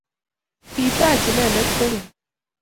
kitaach inendet kokeny